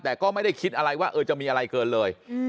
แต่ก็ไม่ได้คิดอะไรว่าจะมีอะไรเกินเลย